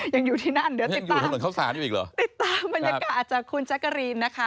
ยังอยู่ที่นั่นหรือติดตามติดตามบรรยากาศจากคุณแจ๊กเกอรีนนะคะ